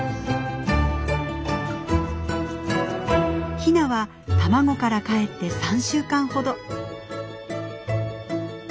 ヒナは卵からかえって３週間ほど。